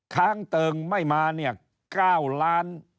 ค้างเติ่งไม่มาเนี่ย๙ล้าน